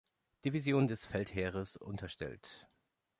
Division des Feldheeres unterstellt.